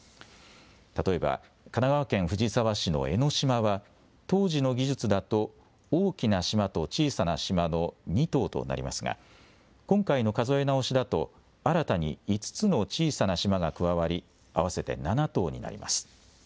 例えば神奈川県藤沢市の江の島は当時の技術だと大きな島と小さな島の２島となりますが今回の数え直しだと新たに５つの小さな島が加わり合わせて７島になります。